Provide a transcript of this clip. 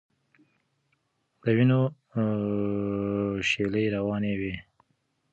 د وینو شېلې روانې وې.